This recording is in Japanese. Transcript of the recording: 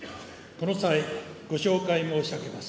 この際、ご紹介申し上げます。